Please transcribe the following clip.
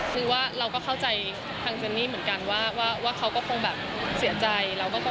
คือว่าเราก็เข้าใจทางเจนนี่เหมือนกันว่าเขาก็คงแบบเสียใจ